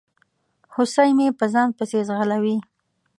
هوسۍ مې په ځان پسي ځغلوي